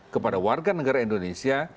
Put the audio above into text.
kepada warga negara indonesia